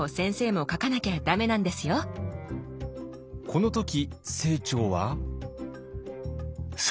この時清張は。